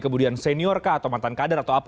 kemudian senior kah atau mantan kader atau apa